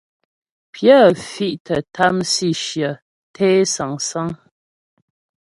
Pyə fì̀' tə́ tâm sǐshyə té sâŋsáŋ.